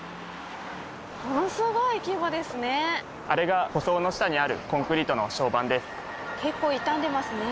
あれが舗装の下にあるコンクリートの床版です。